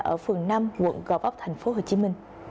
ở phường năm quận gò vóc tp hcm